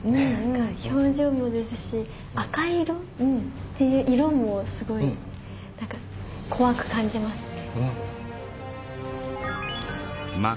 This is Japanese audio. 表情もですし赤い色っていう色もすごいなんか怖く感じますね。